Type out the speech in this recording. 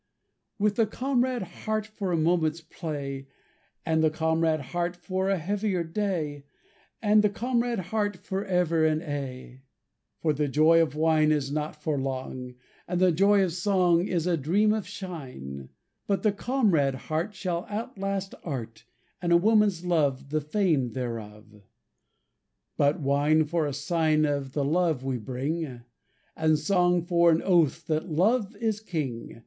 With the comrade heart For a moment's play, And the comrade heart For a heavier day, And the comrade heart Forever and aye. For the joy of wine Is not for long; And the joy of song Is a dream of shine; But the comrade heart Shall outlast art And a woman's love The fame thereof. But wine for a sign Of the love we bring! And song for an oath That Love is king!